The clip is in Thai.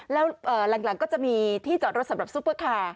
แล้วหลังก็จะมีที่จอดรถสำหรับซุปเปอร์คาร์